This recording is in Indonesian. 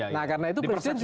nah karena itu presiden